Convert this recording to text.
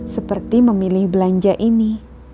seperti memilih belanja ini